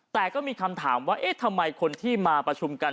แต่ก็มีคำถามว่าเอ๊ะทำไมคนที่มาประชุมกัน